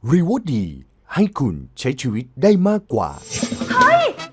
มีบริษัทที่กรุงเทพส่งเมลมาเสนองานที่ทำการตลาดนี้